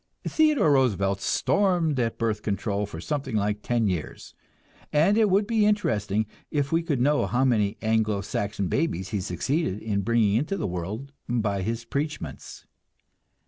Theodore Roosevelt stormed at birth control for something like ten years, and it would be interesting if we could know how many Anglo Saxon babies he succeeded in bringing into the world by his preachments.